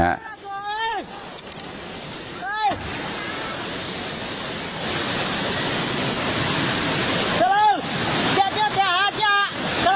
แล้วน้ำซัดมาอีกละรอกนึงนะฮะจนในจุดหลังคาที่เขาไปเกาะอยู่เนี่ย